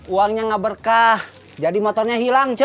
uangnya gak berkah jadi motornya hilang ce